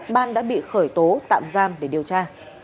ban đã bị khởi tố tạm giam để điều tra